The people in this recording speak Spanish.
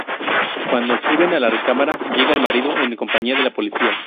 Cuando suben a la recámara, llega el marido en compañía de la policía.